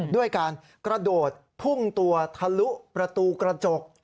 ด้วยการกระโดดพุ่งตัวทะลุประตูกระจก